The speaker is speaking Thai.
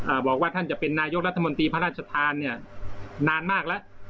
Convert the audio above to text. บอกว่าท่านจะเป็นนายกรัฐมนตรีพระราชทานเนี่ยนานมากแล้ว